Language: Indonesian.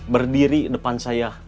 berdiri depan saya